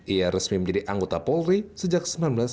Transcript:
ia resmi menjadi anggota polri sejak seribu sembilan ratus sembilan puluh